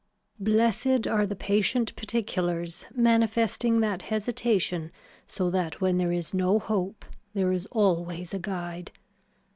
Blessed are the patient particulars manifesting that hesitation so that when there is no hope there is always a guide.